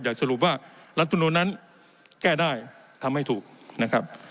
สรุปว่ารัฐมนุนนั้นแก้ได้ทำให้ถูกนะครับ